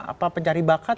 apa pencari bakat